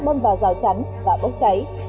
bâm vào rào chắn và bốc cháy